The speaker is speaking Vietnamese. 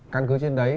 căn cứ trên đấy